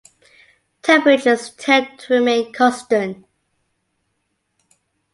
Temperatures tend to remain constant.